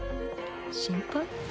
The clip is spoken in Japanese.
「心配」？